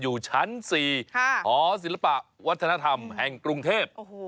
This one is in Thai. อยู่ชั้น๔หอศิลปะวัฒนธรรมแห่งกรุงเทพ